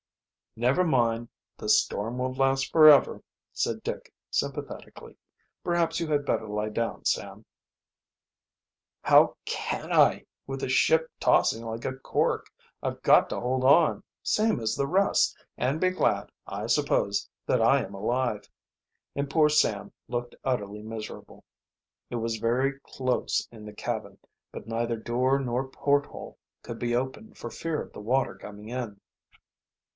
"Never mind, the storm won't last forever," said Dick sympathetically. "Perhaps you had better lie down, Sam." "How can I, with the ship tossing like a cork? I've got to hold on, same as the rest, and be glad, I suppose, that I am alive," and poor Sam looked utterly miserable. It was very close in the cabin, but neither door nor port hole could be opened for fear of the water coming in.